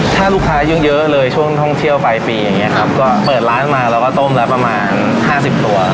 ถ้าลูกค้ายังเยอะเลยช่วงท่องเที่ยวปลายปีอย่างนี้ครับก็เปิดร้านมาเราก็ต้มแล้วประมาณห้าสิบตัว